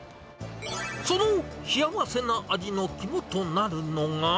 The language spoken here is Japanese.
その幸せな味の肝となるのが。